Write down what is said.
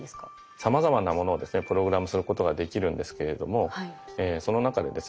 さまざまなものをプログラムすることができるんですけれどもその中でですね